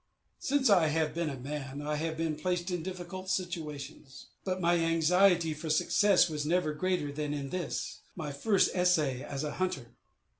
Since I have been a man, I have been placed in difficult stations; but my anxiety for success was never greater than in this, my first essay as a hunter.